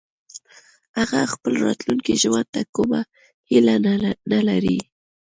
هغه خپل راتلونکي ژوند ته کومه هيله نه لري